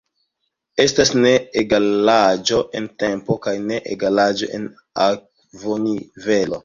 Estas ne-egalaĵo en tempo kaj ne-egalaĵo en akvonivelo.